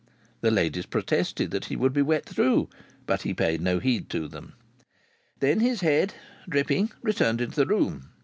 The ladies protested that he would be wet through, but he paid no heed to them. Then his head, dripping, returned into the room.